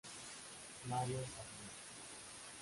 Mario Savino